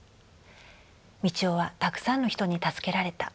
「道夫はたくさんの人に助けられた。